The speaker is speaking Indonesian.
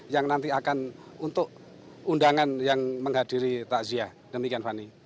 yang nanti akan untuk undangan yang menghadiri takziah demikian fani